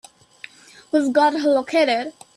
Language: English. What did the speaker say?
We've got her located.